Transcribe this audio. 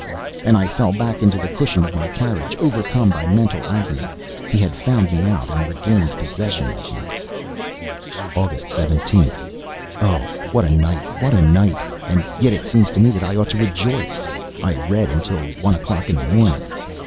and I fell back onto the cushion of my carriage, overcome by mental agony. He had found me out and regained possession of me. August 17th. Oh! What a night! what a night! And yet it seems to me that I ought to rejoice. I read until one o'clock in the morning!